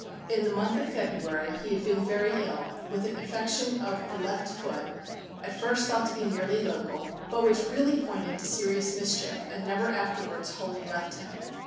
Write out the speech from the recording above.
In the month of February he had been very ill, with an affection of the left foot, at first thought to be merely local, but which really pointed to serious mischief, and never afterwards wholly left him.